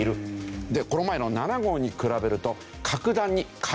でこの前の７号に比べると。